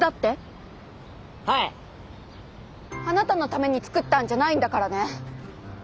だからあなたのために作ったんじゃないんだからね！